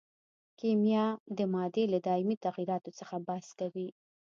کیمیا د مادې له دایمي تغیراتو څخه بحث کوي.